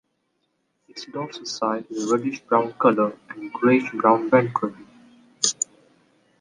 Its dorsal side is a reddish-brown colour, and greyish brown ventrally.